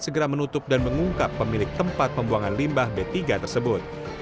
segera menutup dan mengungkap pemilik tempat pembuangan limbah b tiga tersebut